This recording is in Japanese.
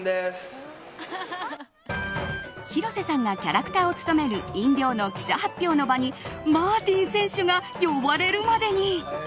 広瀬さんがキャラクターを務める飲料の記者発表の場にマーティン選手が呼ばれるまでに。